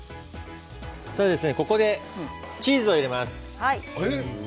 ここでチーズを入れます。